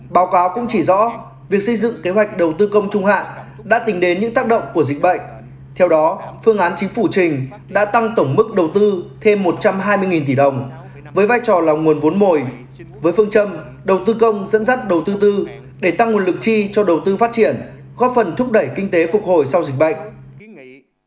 báo cáo cũng chỉ rõ việc xây dựng kế hoạch đầu tư công trung hạn đã tình đến những tác động của dịch bệnh theo đó phương án chính phủ trình đã tăng tổng mức đầu tư thêm một trăm hai mươi tỷ đồng với vai trò là nguồn vốn mồi với phương châm đầu tư công dẫn dắt đầu tư tư để tăng nguồn lực chi cho đầu tư phát triển góp phần thúc đẩy kinh tế phục hồi sau dịch bệnh